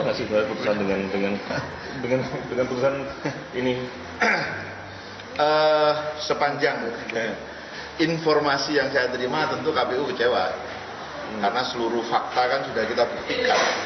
karena seluruh fakta kan sudah kita buktikan